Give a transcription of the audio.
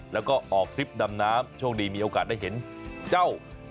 แล้วก็ออกทริปดำน้ำโชคดีมีโอกาสได้เห็นเจ้า